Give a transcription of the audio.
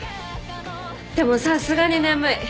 でもさすがに眠い。